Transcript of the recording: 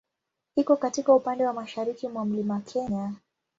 Iko katika upande wa mashariki mwa Mlima Kenya.